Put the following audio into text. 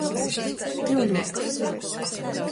Tiuļuok.